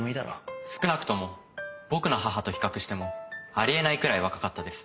少なくとも僕の母と比較してもあり得ないくらい若かったです。